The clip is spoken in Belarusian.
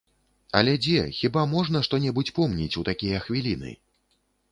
Але дзе, хіба можна што-небудзь помніць у такія хвіліны?